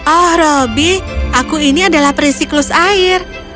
oh roby aku ini adalah perisiklus air